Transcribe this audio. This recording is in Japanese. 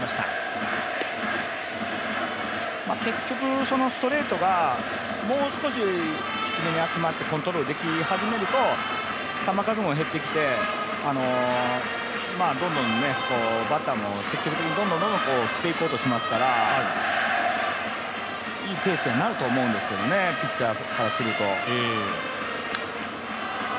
結局、ストレートがもう少し上に集まってコントロールでき始めると、球数も減ってきて、どんどんバッターも積極的に振っていこうとしますからいいペースにはなると思うんですけどね、ピッチャーからすると。